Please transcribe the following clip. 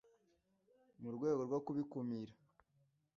mu rwego rwo kubikumira.